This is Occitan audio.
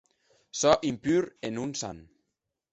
Sò impur e non sant.